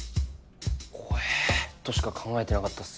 怖えぇとしか考えてなかったっす。